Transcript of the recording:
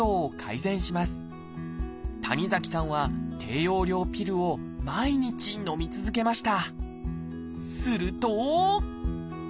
谷崎さんは低用量ピルを毎日のみ続けました。